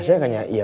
pasti akan nyari ya